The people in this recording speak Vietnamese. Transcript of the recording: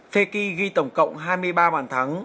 fekir ghi tổng cộng hai mươi ba bản thắng